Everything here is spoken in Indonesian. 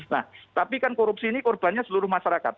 nah tapi kan korupsi ini korbannya seluruh masyarakat